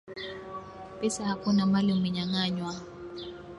Pesa hakuna mali umenyang'anywa